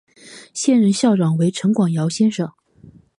现任校长为陈广尧先生。